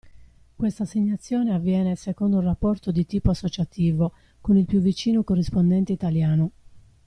Questa assegnazione avviene secondo un rapporto di tipo associativo con il più vicino corrispondente italiano.